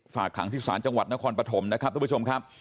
ฝากขังที่ศาลจังหวัดนครปฐมนะครับทุกผู้ชมครับ